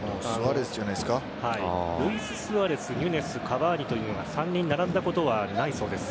ルイススアレス、ヌニェスカヴァーニというのが３人並んだことはないそうです。